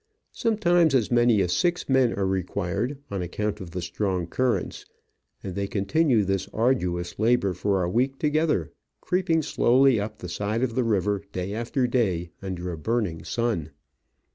Sometimes as many as six men are required, on account of the strong currents, and they continue this arduous labour for a week together, creeping slowly up the side of the river, day after day, under a burning sun.